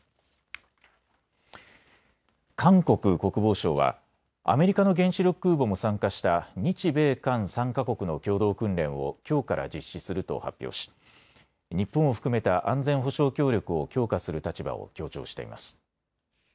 韓国国防省はアメリカの原子力空母も参加した日米韓３か国の共同訓練をきょうから実施すると発表し日本を含めた安全保障協力を強化する立場を強調しています。